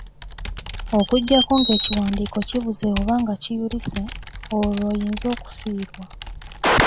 Okuggyako ng'ekiwandiiko kibuze oba nga kiyulise, olwo lw'oyinza okufiirwa.